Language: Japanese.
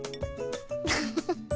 フフフ。